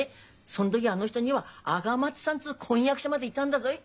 そん時あの人には赤松さんつう婚約者までいたんだぞい。